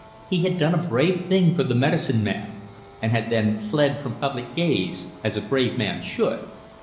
He had done a brave thing for the medicine man, and had then fled from public gaze as a brave man should.